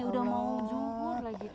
udah mau jungkur lagi